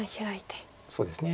そうですね。